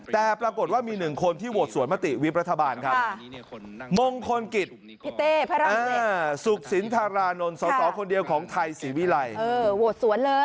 แต่ปรากฏว่ามี๑คนที่โหวตสวนมติวิบรัฐบาลครับมงคลกิจพิเตภรรภิเศกสุขสินธารานนท์สตคนเดียวของไทยศิวิไลโหวตสวนเลย